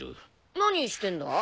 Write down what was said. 何してんだ？